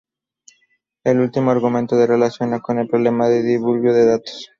El último argumento se relaciona con el problema del 'diluvio de datos'.